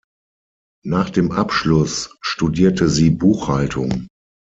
Nach dem Abschluss studierte sie Buchhaltung.